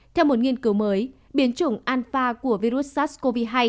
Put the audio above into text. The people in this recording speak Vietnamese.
theo một nghiên cứu mới biến chủng anpa của virus sars cov hai